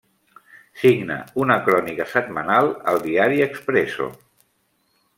Signa una crònica setmanal al diari Expresso.